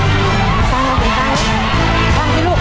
ลุกใส่ใส่ที่ไบขึ้นเลยใช่ลูก